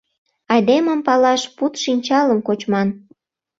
Айдемым палаш пуд шинчалым кочман.